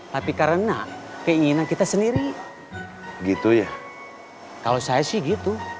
sampai ketemu lagi